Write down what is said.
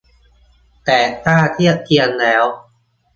แต่ถ้าเทียบเคียงแล้ว